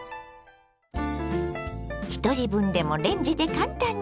ひとり分でもレンジで簡単に！